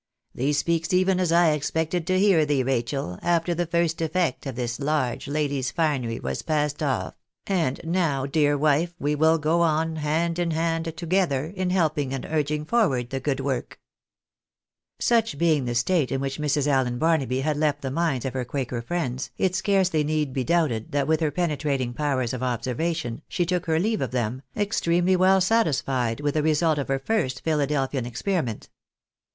" Thee speaks even as I expected to hear thee, Rachel, after the first eff"ect of this large lady's finery was passed off ; and now, dear wife, we will go on, hand in hand together, in helping and urging forward the good work." PArrY THKEATJfiNS HER DON. 233 Such being the state in which Mrs. Allen Barnaby had left the minds of her quaker friends, it scarcely need be doubted that with her penetrating powers of observation, she took her leave of them, extremely well satisfied with the result of her first Philadelphia!! experiment.